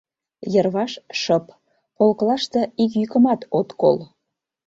Йырваш шып, полклаште ик йӱкымат от кол.